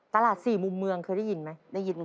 ตลาดสี่มุมเมืองเคยได้ยินไหม